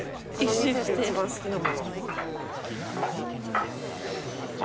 この店で一番好きなもの。